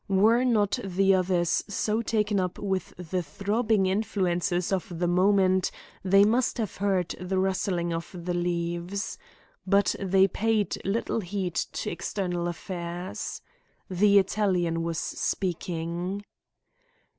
Were not the others so taken up with the throbbing influences of the moment they must have heard the rustling of the leaves. But they paid little heed to external affairs. The Italian was speaking.